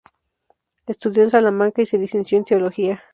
Estudió en Salamanca y se licenció en teología.